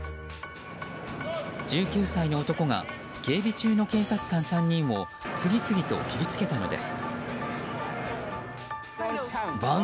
１９歳の男が警備中の警察官３人を次々と切りつけたのです。